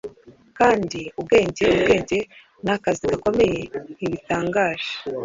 kandi ubwenge, ubwenge, nakazi gakomeye ntibitangaje